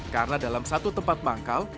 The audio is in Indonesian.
karena dalam satu tempat manggal